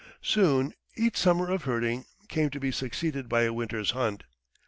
Soon each summer of herding came to be succeeded by a winter's hunt.